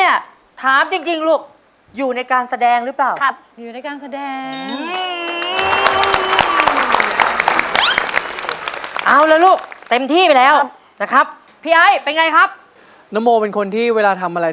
อย่ามาจี้ใจ